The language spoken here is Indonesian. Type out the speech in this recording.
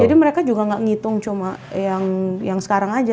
jadi mereka juga gak ngitung cuma yang sekarang aja